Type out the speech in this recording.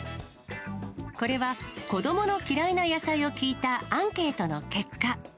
これは子どもの嫌いな野菜を聞いたアンケートの結果。